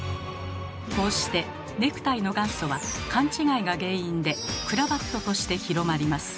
こうしてネクタイの元祖は勘違いが原因で「クラヴァット」として広まります。